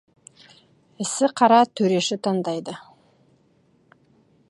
Ісі қара төреші таңдайды.